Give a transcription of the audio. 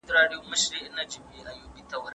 د جرګې عدالت په بې طرفۍ او رښتينولۍ ولاړ وي